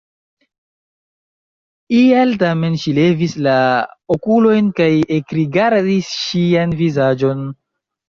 Ial tamen ŝi levis la okulojn kaj ekrigardis ŝian vizaĝon.